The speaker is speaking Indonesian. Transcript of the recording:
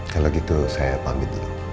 kalau gitu saya pamit